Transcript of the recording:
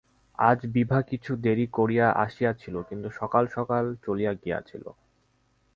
আজ বিভা কিছু দেরী করিয়া আসিয়াছিল, কিছু সকাল সকাল চলিয়া গিয়াছিল।